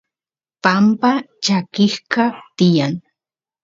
pampa chakisqa tiyan